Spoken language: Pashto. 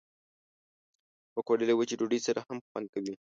پکورې له وچې ډوډۍ سره هم خوند کوي